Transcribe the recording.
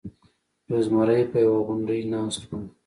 یو زمری په یوه غونډۍ ناست و.